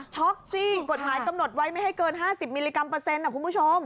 ็อกซิ่งกฎหมายกำหนดไว้ไม่ให้เกิน๕๐มิลลิกรัมเปอร์เซ็นต์คุณผู้ชม